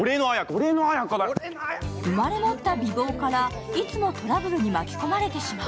生まれ持った美貌からいつもトラブルに巻き込まれてしま。